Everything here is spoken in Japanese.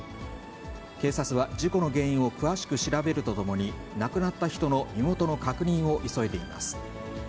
警察は事故の原因を詳しく調べるとともに、亡くなった人の身元の確認を急いでいます。